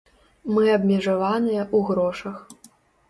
Мы абмежаваныя ў грошах.